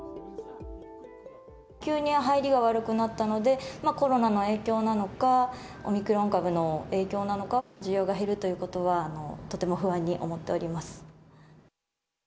急に入りが悪くなったので、コロナの影響なのか、オミクロン株の影響なのか、需要が減るということは、とても不安に思っております。